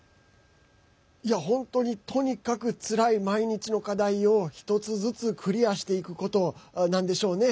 本当にとにかくつらい毎日の課題を一つずつクリアしていくことなんでしょうね。